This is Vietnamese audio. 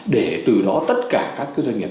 để từ đó tất cả các cái doanh nghiệp